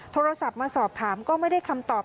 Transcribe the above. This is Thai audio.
โทรศัพท์มาสอบถามก็ไม่ได้คำตอบ